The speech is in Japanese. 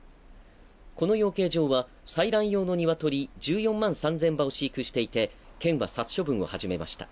この養鶏場は採卵用の鶏１４万３０００羽を飼育していて県は殺処分を始めました。